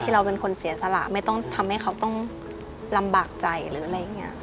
เราเป็นคนเสียสละไม่ต้องทำให้เขาต้องลำบากใจหรืออะไรอย่างนี้